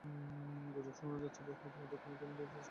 গুজব শোনা যাচ্ছিল ইতিমধ্যে তাঁদের মধ্যে একটি সম্পর্ক তৈরি হয়েছে।